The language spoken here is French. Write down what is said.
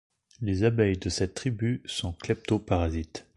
Les abeilles de cette tribu sont cleptoparasites.